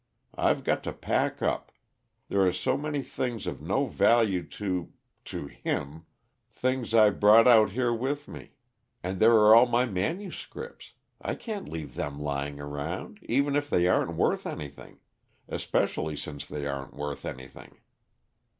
I've got to pack up there are so many things of no value to to him, things I brought out here with me. And there are all my manuscripts; I can't leave them lying around, even if they aren't worth anything; especially since they aren't worth anything."